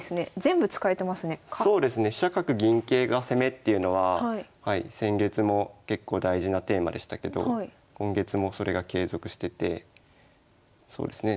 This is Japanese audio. っていうのは先月も結構大事なテーマでしたけど今月もそれが継続しててそうですね